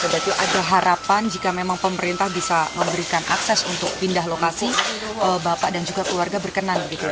jadi ada harapan jika memang pemerintah bisa memberikan akses untuk pindah lokasi bapak dan juga keluarga berkenan begitu ya